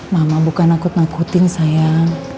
mama bukan akut akuting sayang